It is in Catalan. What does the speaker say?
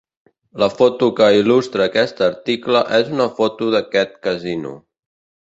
La foto que il·lustra aquest article és una foto d'aquest casino.